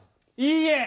いいえ。